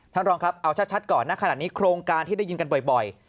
รองครับเอาชัดก่อนณขณะนี้โครงการที่ได้ยินกันบ่อย